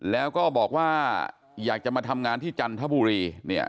แล้วก็บอกว่าอยากจะมาทำงานที่จันทบุรีเนี่ย